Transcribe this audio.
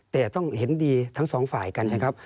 แต่ต้องเห็นดีทั้งสองฝ่ายกันนะครับ